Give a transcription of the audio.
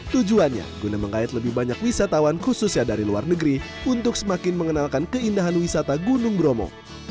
tujuannya guna mengait lebih banyak wisatawan khususnya dari luar negeri untuk semakin mengenalkan keindahan wisata gunung bromo